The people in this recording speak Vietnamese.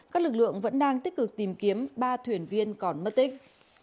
các lực lượng vẫn đang tích cực tìm kiếm ba thuyền viên còn mất tích